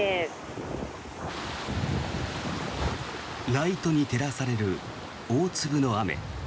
ライトに照らされる大粒の雨。